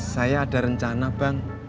saya ada rencana bang